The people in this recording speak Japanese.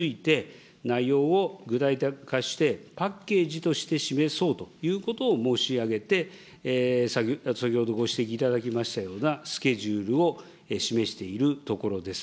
いまいちど、そのニーズをしっかり確認をし、今の時代、必要とされる政策について、内容を具体化して、パッケージとして示そうということを申し上げて、先ほどご指摘いただきましたようなスケジュールを示しているところです。